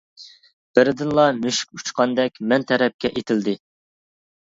بىردىنلا مۈشۈك ئۇچقاندەك مەن تەرەپكە ئېتىلدى.